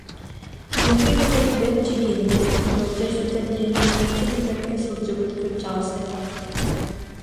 Үйэтин тухары бэрт чэгиэнник, ыалдьар-сүтэр диэни соччо билбэккэ сылдьыбыт кырдьаҕас этэ